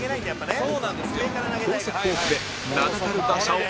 高速フォークで名だたる打者を圧倒